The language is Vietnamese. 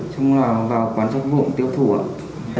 xong là vào quán sách vụ tiêu thủ ạ